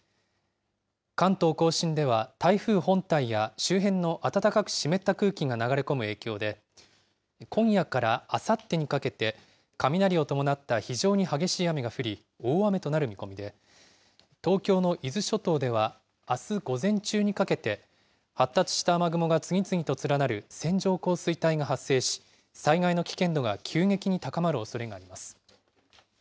関東甲信では台風本体や、周辺の暖かく湿った空気が流れ込む影響で、今夜からあさってにかけて、雷を伴った非常に激しい雨が降り、大雨となる見込みで、東京の伊豆諸島ではあす午前中にかけて、発達した雨雲が次々と連なる線状降水帯が発生し、災害の危険度が急激に高まるおそれがあります。